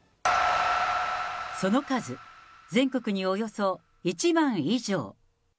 その数、全国におよそ１万以上。